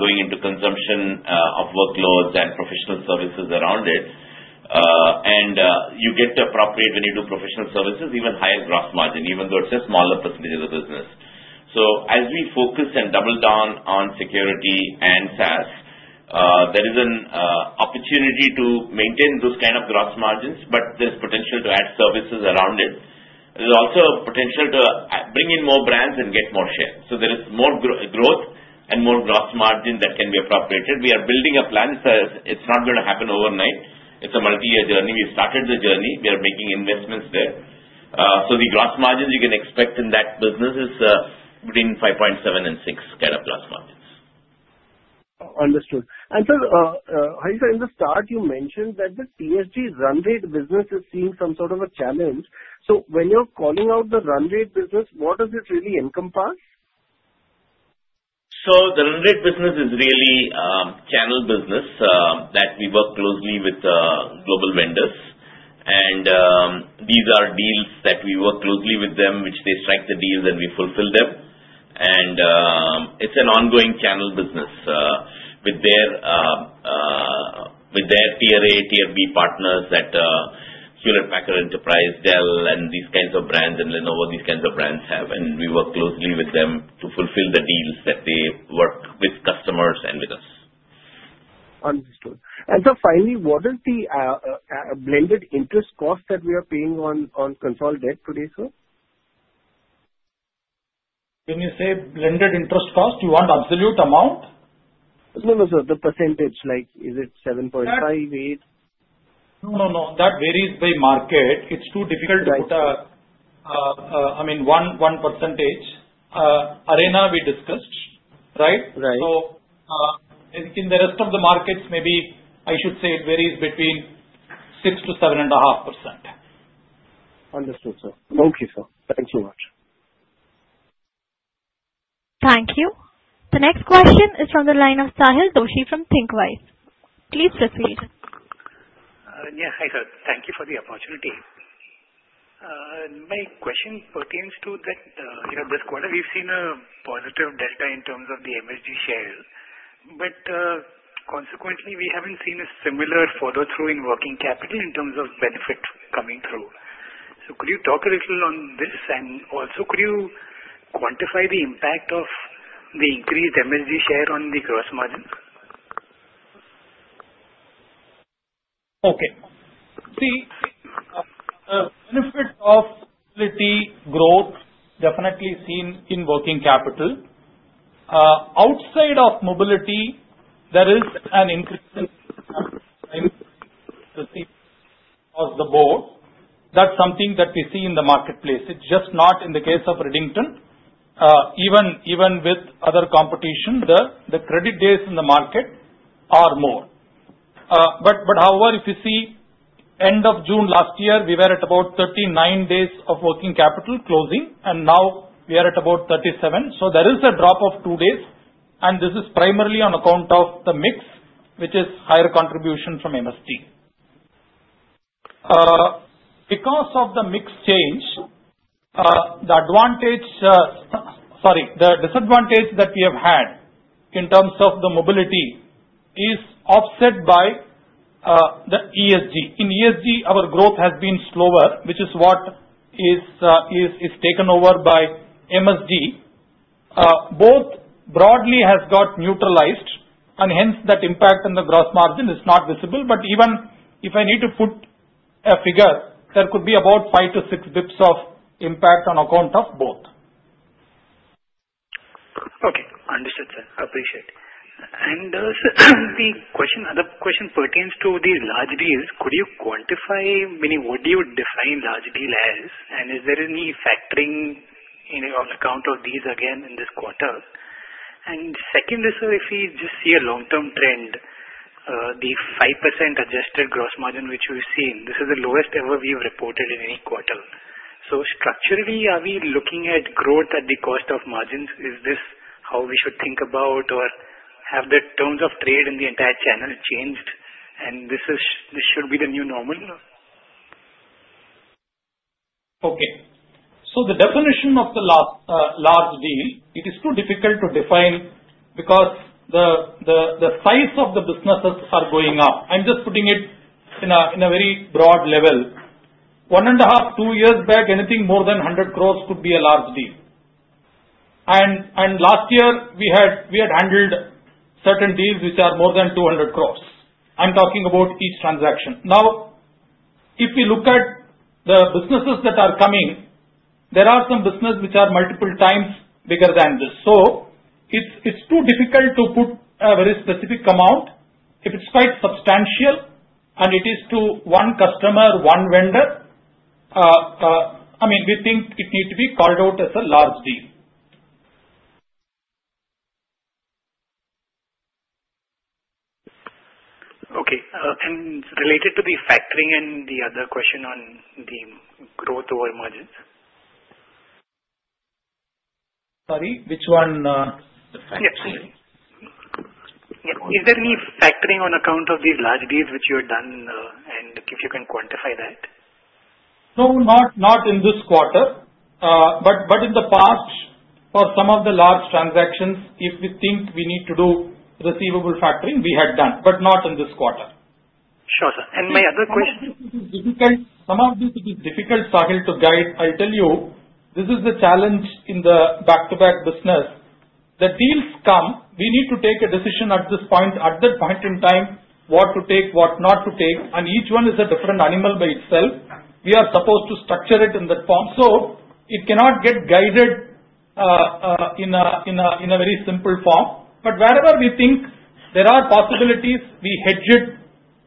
going into consumption of workloads and professional services around it. You get to appropriate, when you do professional services, even higher gross margin even though it's a smaller percentage of the business. As we focus and double down on security and SaaS, there is an opportunity to maintain those kind of gross margins. There's potential to add services around it. There's also potential to bring in more brands and get more share. There is more growth and more gross margin that can be appropriated. We are building a plan. It's not going to happen overnight. It's a multi-year journey. We started the journey, we are making investments there. The gross margins you can expect in that business is between 5.7% and 6% plus margins. Understood. Sir Hariharan, in the start you mentioned that the TSG run rate business is seeing some sort of a challenge. When you're calling out the run rate business, what does it really encompass? The run rate business is really channel business that we work closely with global vendors and these are deals that we work closely with them, which they strike the deals and we fulfill them. It's an ongoing channel business with their Tier A, Tier B partners that Hewlett Packard Enterprise, Dell, and these kinds of brands and Lenovo, these kinds of brands have. We work closely with them to fulfill the deals that they work with customers and with us. Understood. Finally, what is the blended interest cost that we are paying on consolidated today sir. Can you say blended interest cost? You want absolute amount? No, just the percentage like is it 7.58%? No, no, no. That varies by market. It's too difficult to put, I mean 1% Arena we discussed. Right, right. In the rest of the markets maybe I should say it varies between 6%-7.5%. Understood, sir. Okay, sir, thank you much. Thank you. The next question is from the line of Sahil Doshi from Thinqwise. Please proceed. Yes, thank you for the opportunity. My question pertains to that. This quarter we've seen a positive delta in terms of the MSG shares. Consequently, we haven't seen a similar follow through in working capital in terms of benefit coming through. Could you talk a little on. Could you quantify the impact of the increased Mobility share on the gross margins? Okay. See the benefit of Mobility growth. Definitely seen in working capital. Outside of Mobility, there is an increase in the board. That's something that we see in the marketplace. It's just not in the case of Redington, even with other competition, the credit days in the market are more. However, if you see end of June last year, we were at about 39 days of working capital closing and now we are at about 37. There is a drop of two days. This is primarily on account of the mix, which is higher contribution from MSG because of the mix change. The disadvantage that we have had in terms of the Mobility is offset by the TSG. In TSG, our growth has been slower, which is what is taken over by MSG. Both broadly have got neutralized and hence that impact on the gross margin is not visible. Even if I need to put a figure, there could be about 5 basis points-6 basis points of impact on account of both. Okay, understood sir, appreciate it. The other question pertains to these large deals. Could you quantify how many, what do you define a large deal as, and is there any factoring on account of these again in this quarter? If we just see a long-term trend, the 5% adjusted gross margin which we've seen, this is the lowest ever we have reported in any quarter. Structurally, are we looking at growth at the cost of margins? Is this how we should think about it, or have the terms of trade in the entire channel changed? This should be the new normal. Okay. The definition of the large deal, it is too difficult to define because the size of the businesses are going up. I'm just putting it in a very broad level. One and a half, two years back, anything more than 100 crores could be a large deal. Last year we had handled certain deals which are more than 200 crores. I'm talking about each transaction. If we look at the businesses that are coming, there are some business which are multiple times bigger than this. It's too difficult to put a very specific amount if it's quite substantial. It is to one customer, one vendor. I mean, we think it need to be called out as a large deal. Okay. Related to the factoring and the other question on the growth over emergence. Sorry, which one? Is there any factoring on account of these large deals which you have done, and if you can quantify that. No, not in this quarter, but in the past for some of the large transactions. If we think we need to do receivable factoring, we had done, but not in this quarter. Sure, sir. My other question, some of this is difficult, Sahil, to guide. I tell you this is the challenge in the back to back business. The deals come, we need to take a decision at that point in time, what to take, what not to take. Each one is a different animal by itself. We are supposed to structure it in that form, so it cannot get guided in a very simple form. Wherever we think there are possibilities, we hedge it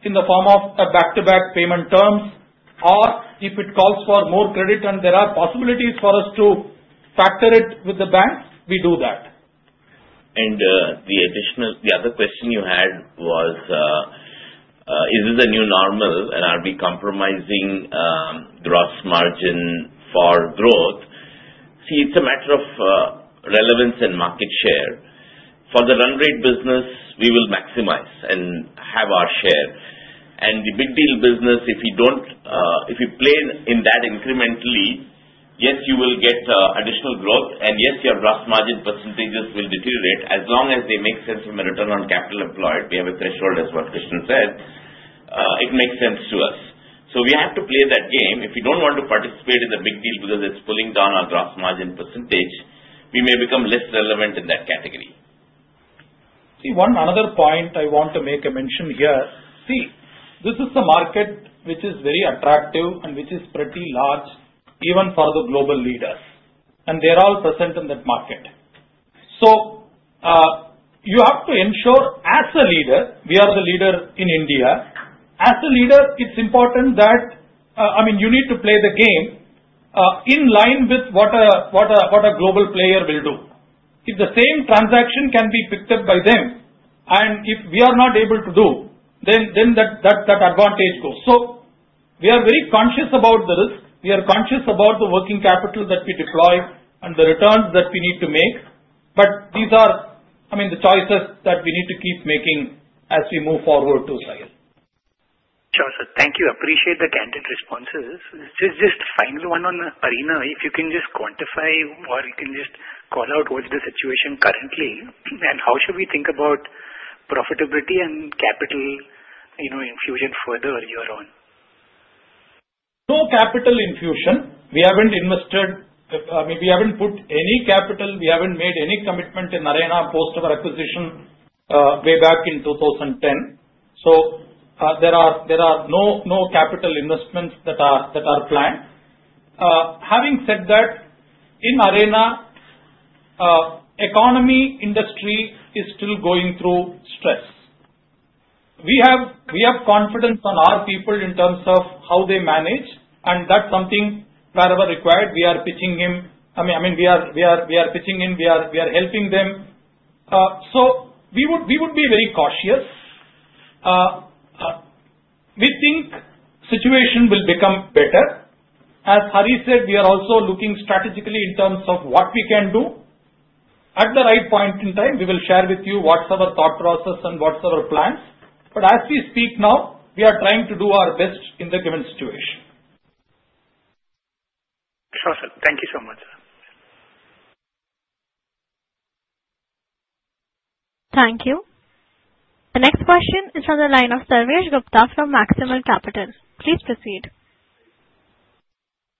in the form of back to back payment terms, or if it calls for more credit and there are possibilities for us to factor it with the bank, we do that. The other question you had was is this a new normal and are we compromising gross margin for growth? See, it's a matter of relevance and market share. For the run rate business we will maximize and have our share. In the big deal business, if you play in that incrementally, yes, you will get additional growth and yes, your gross margin percentages will deteriorate as long as they make sense of a return on capital employed. We have a threshold as what Krishnan said, it makes sense to us. We have to play that game. If we don't want to participate in the big deal because it's pulling down our gross margin percentage, we may become less relevant in that category. See, one another point I want to make a mention here. This is a market which is very attractive and which is pretty large even for the global leaders, and they are all present in that market. You have to ensure as a leader, we are the leader in India. As a leader, it's important that you need to play the game in line with what a global player will do if the same transaction can be picked up by them. If we are not able to do, then that advantage goes. We are very conscious about the risk, we are conscious about the working capital that we deploy and the returns that we need to make. These are the choices that we need to keep making as we move forward to Sahil. Sure, sir. Thank you. Appreciate the candid responses. Just final one on Arena, if you can just quantify or you can just call out what's the situation currently and how should we think about profitability and capital infusion further on. No capital infusion. We haven't invested, we haven't put any capital, we haven't made any commitment in Arena post our acquisition way back in 2010. There are no capital investments that are planned. Having said that, in Arena, the economy and industry are still going through stress. We have confidence in our people in terms of how they manage and that's something. Wherever required, we are pitching in. I mean we are pitching in. We are helping them. We would be very cautious. We think the situation will become better. As Hari said, we are also looking strategically in terms of what we can do at the right point in time. We will share with you what's our thought process and what's our plans. As we speak now, we are trying to do our best in the given situation. Sure, sir. Thank you so much. Thank you. The next question is from the line of Sarvesh Gupta from Maximal Capital. Please proceed.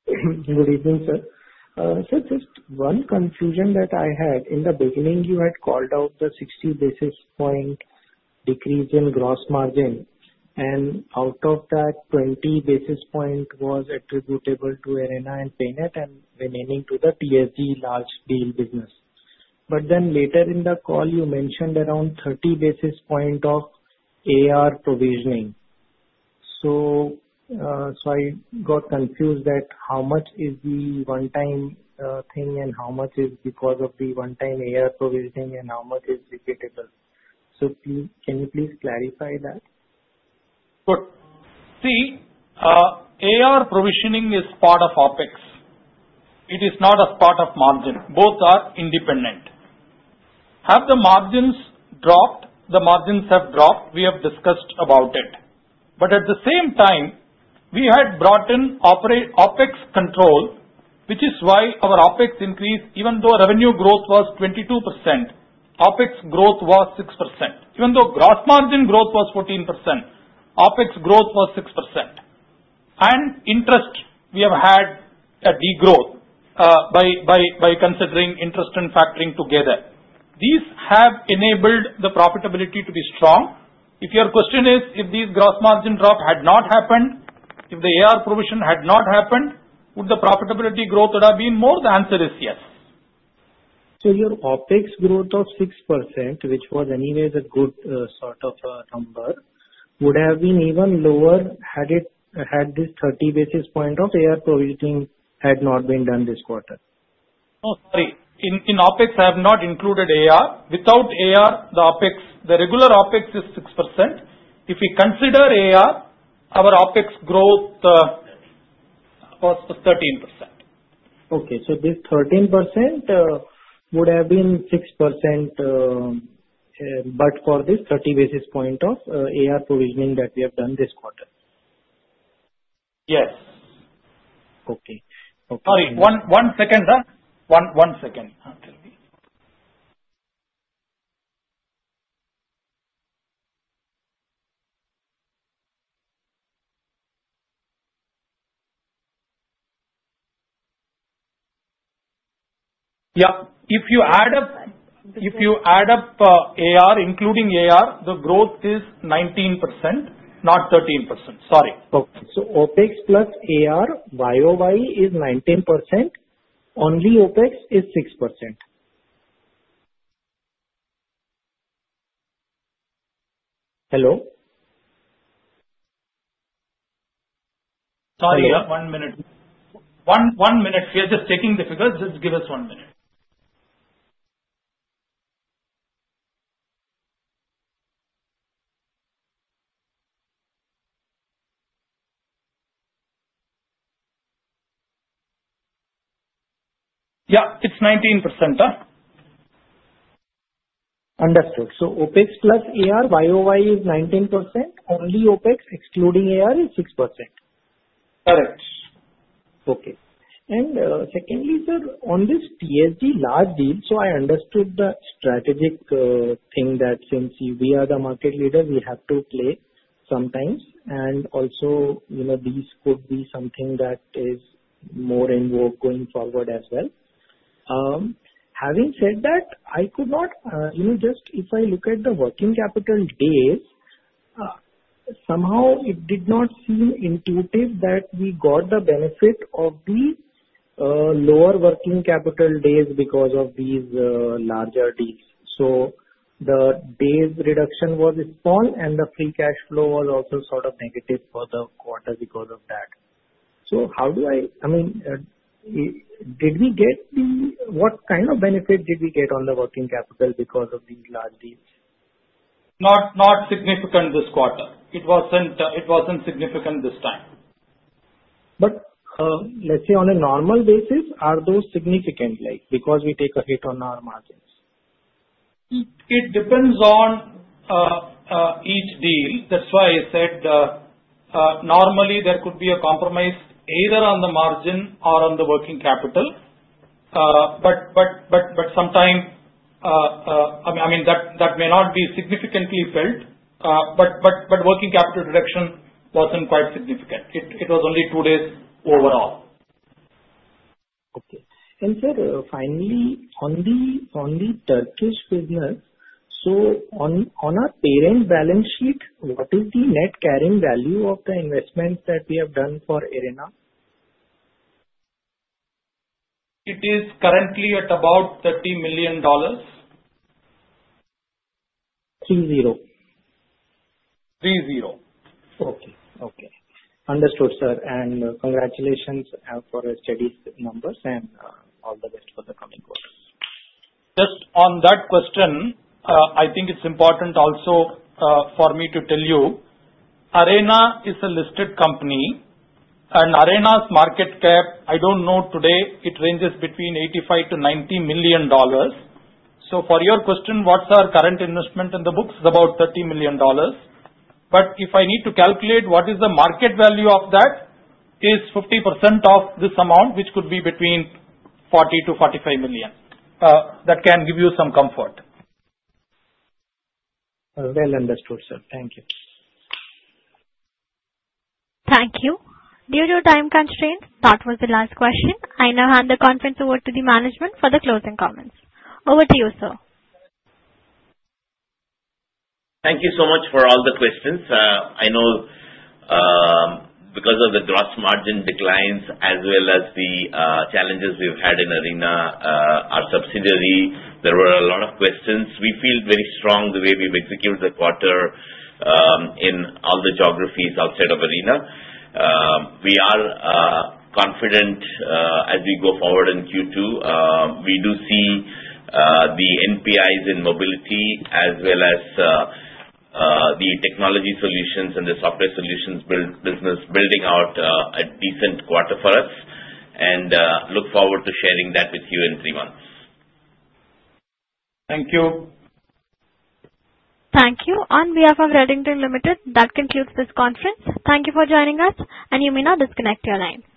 Good evening, sir. Just one confusion that I had. In the beginning, you had called out the 60 basis point decrease in gross margin, and out of that 20 basis point was attributable to Arena and PayNet, and the remaining to the TSG large deal business. Later in the call, you mentioned around 30 basis point of AR provisioning. So. I got confused about how much is the one-time thing and how much is because of the one-time AR provisioning and how much is repeatable. Can you please clarify that? See, AR provisioning is part of OpEx. It is not a part of margin. Both are independent. Have the margins dropped? The margins have dropped. We have discussed about it. At the same time, we had brought in OpEx control, which is why our OpEx increased. Even though revenue growth was 22%, OpEx growth was 6%. Even though gross margin growth was 14%, OpEx growth was 6%. Interest—we have had a degrowth by considering interest and factoring together. These have enabled the profitability to be strong. If your question is if this gross margin drop had not happened, if the AR provision had not happened, would the profitability growth have been more, the answer is yes. Your OpEx growth of 6%, which was anyways a good sort of number, would have been even lower had this 30 basis points of AR provisioning not been done this quarter. Oh, sorry. In OpEx I have not included AR. Without AR, the OpEx, the regular OpEx is 6%. If we consider AR, our OpEx growth is 13%. Okay, so this 13% would have been 6% except for this 30 basis points of AR provisioning that we have done this quarter. Yes. Okay. Sorry, one second. One. If you add up AR, including AR, the growth is 19%, not 13%. OpEx plus AR y-o-y is 19%. Only OpEx is 6%. Hello. Sorry, one minute. We are just taking the figures. Just give us one minute. Yeah, it's 19%. Understood. OpEx plus AR year-over-year is 19%. Only OpEx excluding AR is 6%. Correct. Okay. Secondly, sir, on this TSG large deal, I understood the strategic thing that since we are the market leader, we have to play sometimes. These could be something that is more in work going forward as well. Having said that, if I look at the working capital days, somehow it did not seem intuitive that we got the benefit of the lower working capital days because of these larger deals. The days reduction was small and the free cash flow was also sort of negative for the quarter because of that. How do I, I mean, did we get, what kind of benefit did we get on the working capital because of these large deals? It wasn't significant this quarter. It wasn't significant this time. On a normal basis, are those significant? Like because we take a hit on our margin. It depends on each deal. That's why I said normally there could be a compromise either on the margin or on the working capital, but sometimes, I mean, that may not be significantly felt. Working capital deduction wasn't quite significant. It was only two days overall. Sir, finally on the Turkish business, on our parent balance sheet, what is the net carrying value of the investments that we have done for Arena? It is currently at about $30 million, 30. 30. Okay, understood, sir. Congratulations for steady numbers and all the best for the coming quarters. Just on that question, I think it's important also for me to tell you Arena is a listed company, and Arena's market cap, I don't know, today it ranges between $85 million-$90 million. For your question, what's our current investment in the book is about $30 million. If I need to calculate what is the market value of that, it is 50% of this amount, which could be between $40 million-$45 million. That can give you some comfort. Understood, sir. Thank you. Thank you. Due to time constraints, that was the last question. I now hand the conference over to the management for the closing comments. Over to you, sir. Thank you so much for all the questions. I know because of the gross margin declines as well as the challenges we've had in Arena, our subsidiary, there were a lot of questions. We feel very strong the way we've executed the quarter in all the geographies outside of Arena. We are confident as we go forward in Q2, we do see the NPIs in Mobility as well as the Technology Solutions and the Software Solutions business building out a decent quarter for us and look forward to sharing that with you in three months. Thank you. Thank you. On behalf of Redington Limited, that concludes this conference. Thank you for joining us. You may now disconnect your lines.